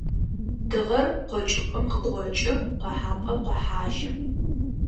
Тыгъэр къокӀыпӀэм къыкъокӀы къохьапӀэм къохьажьы.